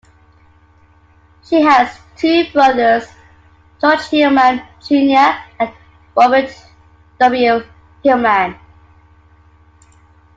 She has two brothers, George Hillman, Junior and Robert W. Hillman.